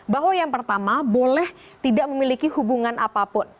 bahwa yang pertama boleh tidak memiliki hubungan apapun